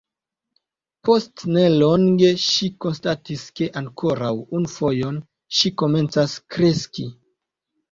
Post ne longe ŝi konstatis ke ankoraŭ unu fojon ŝi komencas kreski.